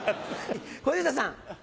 小遊三さん。